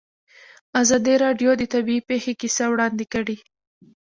ازادي راډیو د طبیعي پېښې کیسې وړاندې کړي.